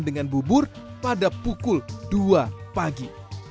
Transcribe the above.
dengan bubur pada pukul dua pagi